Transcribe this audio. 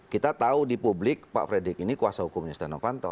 kita tahu di publik pak fredrik ini kuasa hukumnya setia novanto